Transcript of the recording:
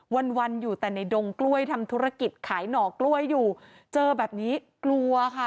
วันวันอยู่แต่ในดงกล้วยทำธุรกิจขายหน่อกล้วยอยู่เจอแบบนี้กลัวค่ะ